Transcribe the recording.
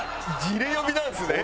「ジレ」呼びなんですね？